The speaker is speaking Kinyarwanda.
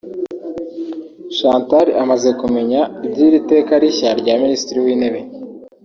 Chantal amaze kumenya iby’iri teka rishya rya Minisitiri w’Intebe